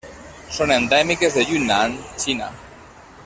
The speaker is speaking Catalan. Són endèmiques de Yunnan, Xina.